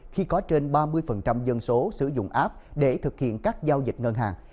khi có trên ba mươi dân số sử dụng app để thực hiện các giao dịch ngân hàng